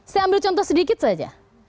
saya ambil contoh sedikit saja